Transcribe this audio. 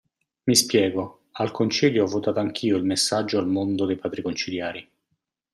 Mi spiego: al Concilio ho votato anch'io il Messaggio al Mondo dei Padri Conciliari.